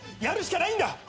やるしかないんだ。